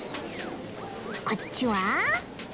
こっちは？